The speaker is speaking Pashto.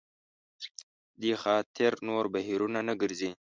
دې خاطر نور بهیرونه نه ګرځي.